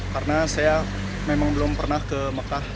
karena saya memang belum pernah ke mekah